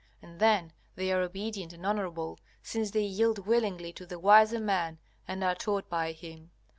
And then they are obedient and honorable, since they yield willingly to the wiser man and are taught by him.